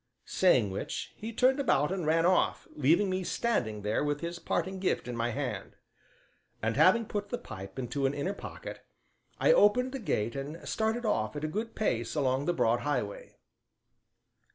saying which, he turned about and ran off, leaving me standing there with his parting gift in my hand. And having put the pipe into an inner pocket, I opened the gate and started off at a good pace along the broad highway.